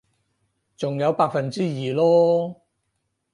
仲有百分之二囉